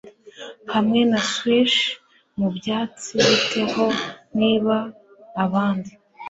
Hamwe na swish mu byatsi Bite ho niba abandi